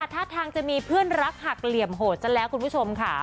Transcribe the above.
ท่าทางจะมีเพื่อนรักหักเหลี่ยมโหดซะแล้วคุณผู้ชมค่ะ